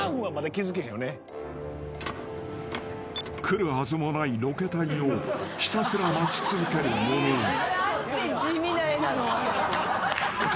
［来るはずもないロケ隊をひたすら待ち続けるヨロイ］